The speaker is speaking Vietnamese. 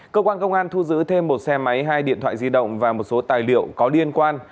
cơ quan công an thu giữ thêm một xe máy hai điện thoại di động và một số tài liệu có liên quan